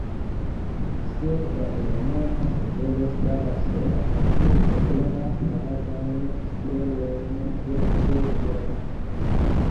Se la elementa simbolo staras sola, oni ofte aldonas arabajn ciferojn kiel ĉe jonoj.